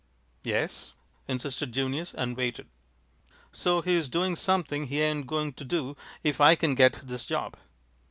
"Yes?" insisted Junius, and waited. "So he's doing something he ain't going to do if I can get this job.